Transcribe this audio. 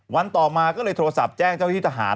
วันต่อมาก็โทรศัพท์แจ้งเจ้าวิทย์ทหาร